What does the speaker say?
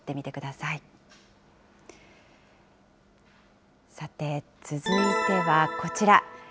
さて、続いてはこちら。